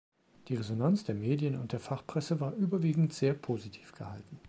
Die Resonanz der Medien und der Fachpresse war überwiegend sehr positiv gehalten.